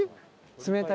冷たい？